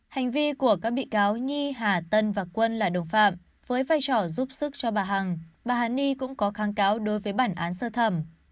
hành vi của các bị cáo nhi hà tân và quân là đồng phạm với vai trò giúp sức cho bà hằng bà hà ni cũng có kháng cáo đối với bản án sơ thẩm